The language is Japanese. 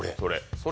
それ！